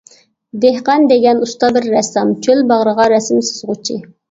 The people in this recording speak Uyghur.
دېھقان دېگەن ئۇستا بىر رەسسام، چۆل باغرىغا رەسىم سىزغۇچى.